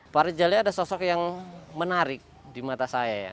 pak rizali adalah sosok yang menarik di mata saya